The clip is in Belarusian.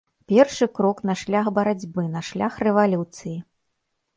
Першы крок на шлях барацьбы, на шлях рэвалюцыі.